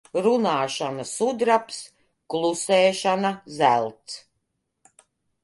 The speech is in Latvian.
Runāšana sudrabs, klusēšana zelts.